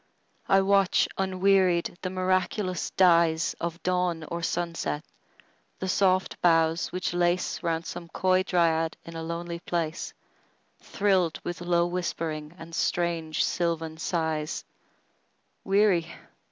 I watch, unwearied, the miraculous dyesOf dawn or sunset; the soft boughs which laceRound some coy dryad in a lonely place, Thrilled with low whispering and strange sylvan sighs:Weary?